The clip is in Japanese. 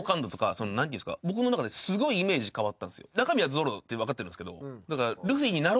僕の中で。って分かってるんですけど。